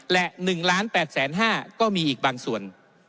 และ๑๘๕๐๐ก็มีอีกบางส่วน